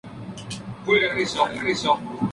Murió en Nueva York.